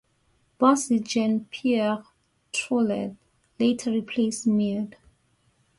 Bassist Jean Pierre Thollet later replaced Mead.